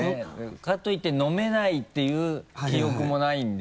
かといって飲めないっていう記憶もないんで。